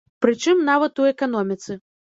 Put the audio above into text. Прычым нават у эканоміцы.